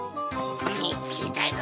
みつけたぞ！